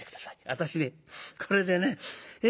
私ねこれでねえ